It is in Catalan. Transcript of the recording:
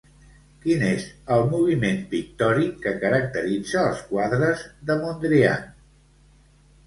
Quin és el moviment pictòric que caracteritza els quadres de Mondrian?